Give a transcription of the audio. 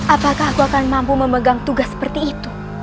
apakah aku akan mampu memegang tugas seperti itu